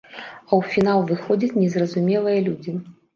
А ў фінал выходзяць незразумелыя людзі.